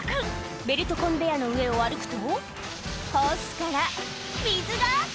ベルトコンベヤーの上を歩くとホースから水が！